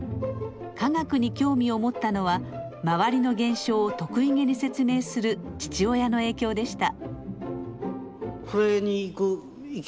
科学に興味を持ったのは周りの現象を得意げに説明する父親の影響でした。